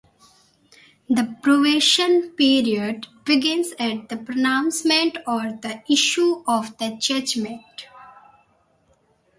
The probation period begins at the pronouncement or the issue of the judgment.